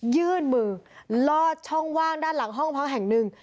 ยื่นมือลอดช่องว่างด้านหลังห้องพักแห่งหนึ่ง